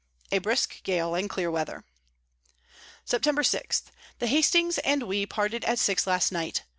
A brisk Gale and clear Weather. Sept. 6. The Hastings and we parted at six last night.